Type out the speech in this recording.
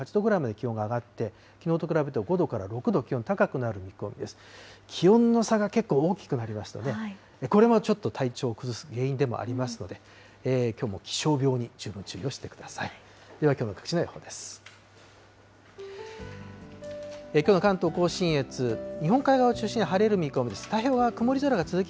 気温の差が結構大きくなりましたね、これもちょっと体調を崩す原因でもありますので、きょうも気象病に十分注意をしてください。